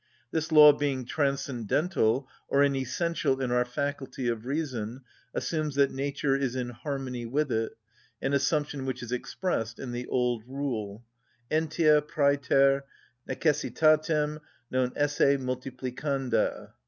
This law being transcendental, or an essential in our faculty of reason, assumes that nature is in harmony with it, an assumption which is expressed in the old rule: _Entia præter necessitatem non esse multiplicanda.